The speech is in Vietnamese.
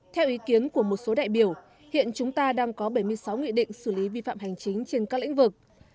theo ý kiến của một số đại biểu hiện chúng ta đang có bảy mươi sáu nghị định xử lý vi phạm hành chính trên các lĩnh vực